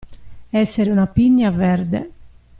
Essere una pigna verde.